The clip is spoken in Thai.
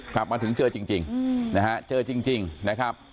ครับมาถึงเจอจริงจริงอืมนะฮะเจอจริงจริงนะครับ